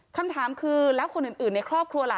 คำถามคือแล้วคนอื่นในครอบครัวล่ะ